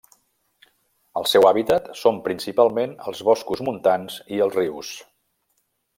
El seu hàbitat són principalment els boscos montans i els rius.